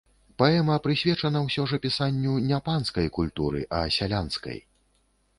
Паэма прысвечана ўсё ж апісанню не панскай культуры, а сялянскай.